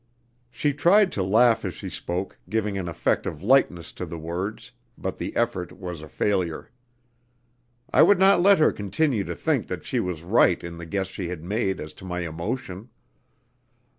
She tried to laugh as she spoke, giving an effect of lightness to the words, but the effort was a failure. I would not let her continue to think that she was right in the guess she had made as to my emotion.